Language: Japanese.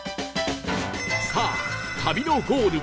さあ旅のゴール